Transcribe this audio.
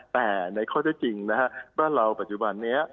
แต่ในข้อเท็จจริงนะฮะบ้านเราปัจจุบันนี้